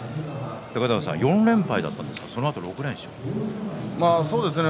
４連敗だったんですがそのあと６連勝ですね。